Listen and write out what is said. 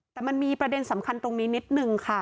แต่มันมีประเด็นสำคัญตรงนี้นิดนึงค่ะ